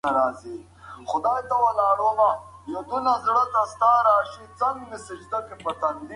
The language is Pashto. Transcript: ټیکنالوژي د عصري ښوونې یوه برخه ده.